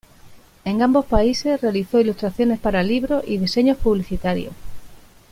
En ambos países realizó ilustraciones para libros y diseños publicitarios.